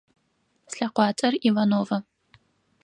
Слъэкъуацӏэр Иванова.